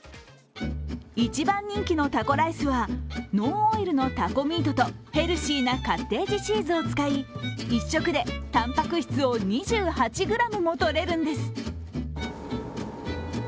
一番人気のタコライスはノンオイルのタコミートとヘルシーなカッテージチーズを使い、一食でたんぱく質を２８ｇもとれるんです。